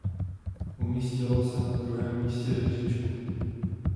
Umístilo se na druhém místě žebříčku.